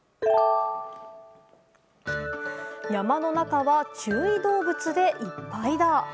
山の中は注意動物でいっぱいだぁ。